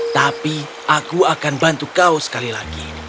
tapi aku akan bantu kau sekali lagi